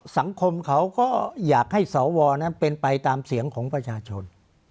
สังคมเขาก็อยากให้สวนั้นเป็นไปตามเสียงของประชาชน